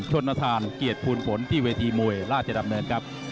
ชนทานเกียรติภูลผลที่เวทีมวยราชดำเนินครับ